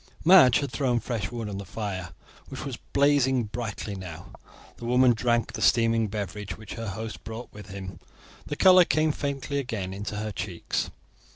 Madge had thrown fresh wood on the fire, which was blazing brightly now. The woman drank the steaming beverage which her host brought with him. The colour came faintly again into her cheeks.